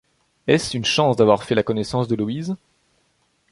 Est-ce une chance d’avoir fait la connaissance de Louise ?